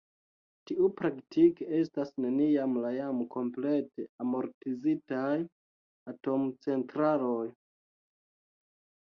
Tiu praktike estas neniam la jam komplete amortizitaj atomcentraloj.